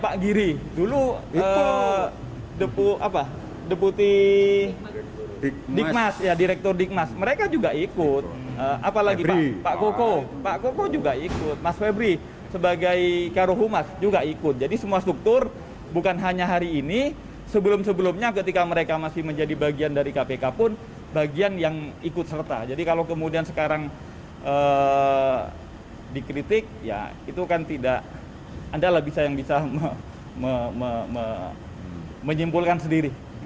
ketentuan kementerian keuangan adalah anggaran yang diperlukan oleh pemerintah yang ikut serta jadi kalau kemudian sekarang dikritik ya itu kan tidak anda lah yang bisa menyimpulkan sendiri